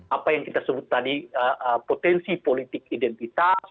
apa yang kita sebut tadi potensi politik identitas